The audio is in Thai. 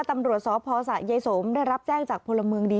ตำรวจสพสะยายสมได้รับแจ้งจากพลเมืองดี